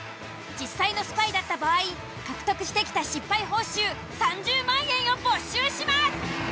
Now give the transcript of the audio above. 実際のスパイだった場合獲得してきた失敗報酬３０万円を没収します！